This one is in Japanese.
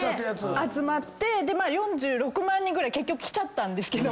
集まって４６万人ぐらい結局来ちゃったんですけども。